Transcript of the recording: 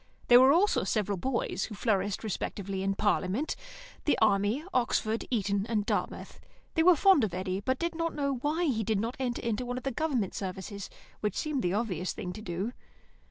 There were also several boys, who flourished respectively in Parliament, the Army, Oxford, Eton, and Dartmouth. They were fond of Eddy, but did not know why he did not enter one of the Government services, which seems the obvious thing to do.